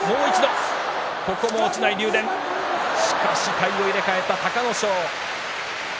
体を入れ替えた、隆の勝。